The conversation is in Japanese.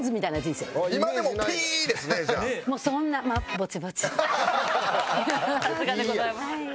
さすがでございます。